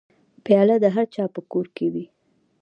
پیاله د هرچا په کور کې وي.